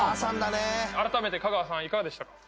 あらためて香川さんいかがでしたか？